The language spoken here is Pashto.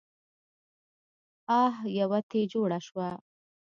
اح يوه تې جوړه شوه.